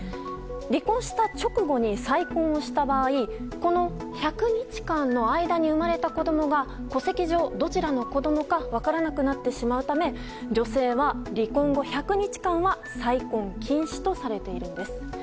離婚した直後に再婚をした場合この１００日間の間に生まれた子供が戸籍上、どちらの子供か分からなくなってしまうため女性は離婚後１００日間は再婚禁止とされているんです。